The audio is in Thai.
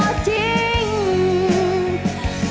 ไม่ต้องการ